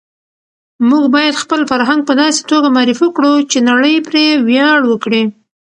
موږ باید خپل فرهنګ په داسې توګه معرفي کړو چې نړۍ پرې ویاړ وکړي.